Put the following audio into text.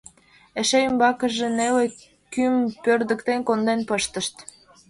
Эше ӱмбакыже неле кӱм пӧрдыктен конден пыштышт.